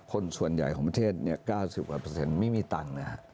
คนส่วนใหญ่ของประเทศ๙๐กว่าไม่มีตังค์นะครับ